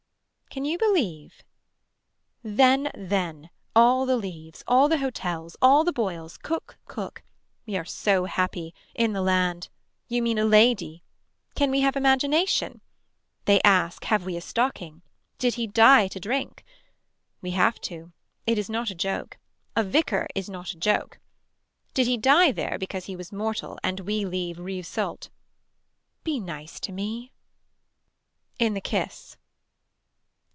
Can you believe. Then then. All the leaves. All the hotels. All the boils. Cooks cook. We are so happy. In the land. You mean a lady. Can we have imagination. They ask have we a stocking. Did he die to drink. We have to. It is not a joke. A vicar is not a joke. Did he die there because he was mortal and we leave Rivesaltes. Be nice to me. In the kiss.